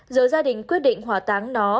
giờ gia đình quyết định hỏa táng nó